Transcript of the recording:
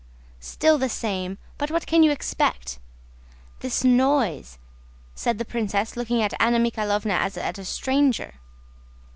"Still the same; but what can you expect, this noise..." said the princess, looking at Anna Mikháylovna as at a stranger.